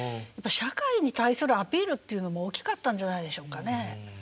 社会に対するアピールっていうのも大きかったんじゃないでしょうかね。